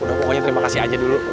udah pokoknya terima kasih aja dulu